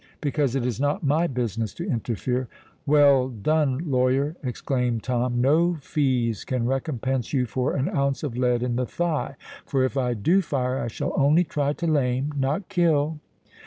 "Because it is not my business to interfere." "Well done, lawyer!" exclaimed Tom. "No fees can recompense you for an ounce of lead in the thigh: for if I do fire, I shall only try to lame—not kill."